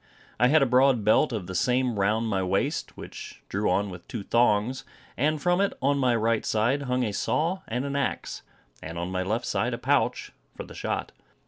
I had a broad belt of the same round my waist, which drew on with two thongs; and from it, on my right side, hung a saw and an axe; and on my left side a pouch for the shot.